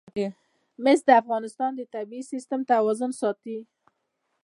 مس د افغانستان د طبعي سیسټم توازن ساتي.